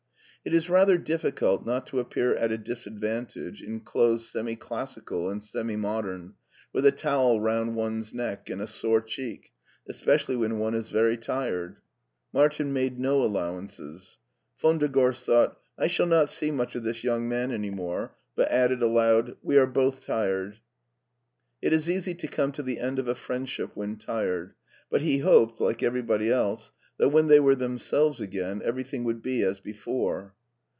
It is rather difficult not to appear at a dis advantage in clothes semi classical and semi modem, with a towel round one's neck and a sore cheek, es .pecially when one is very tired. Martin made no al lowances. Von der Gorst thought, " I shall not see much of this young man any more," but added aloud, " We are both tired." It is easy to come to the end of a friendship when tired, but he hoped, like every body else, that when they were themselves again every thing would be as before.